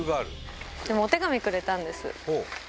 お手紙くれたんです。